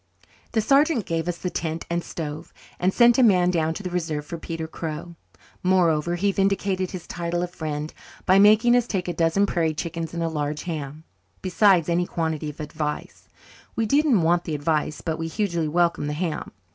The sergeant gave us the tent and stove, and sent a man down to the Reserve for Peter Crow. Moreover, he vindicated his title of friend by making us take a dozen prairie chickens and a large ham besides any quantity of advice. We didn't want the advice but we hugely welcomed the ham.